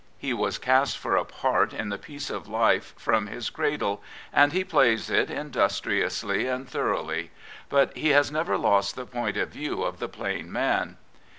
He was cast for a part in the piece of life from his cradle, and he plays it industriously and thoroughly; but he has never lost the point of view of the plain man.